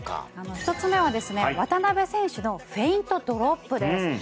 １つ目は渡辺選手のフェイントドロップです。